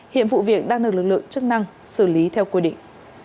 hiện vụ việc đang được lực lượng chức năng xử lý theo quy định